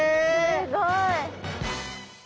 すごい。